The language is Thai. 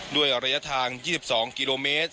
ด้วยระยะทาง๒๒กิโลเมตร